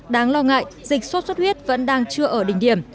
đáng lo ngại dịch sốt xuất huyết vẫn đang chưa ở đỉnh điểm